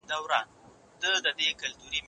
زه به کتابونه وړلي وي،